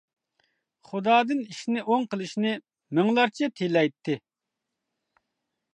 خۇدادىن ئىشىنى ئوڭ قىلىشنى مىڭلارچە تىلەيتتى.